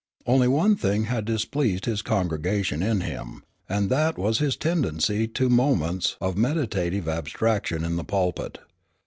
Only one thing had displeased his congregation in him, and that was his tendency to moments of meditative abstraction in the pulpit.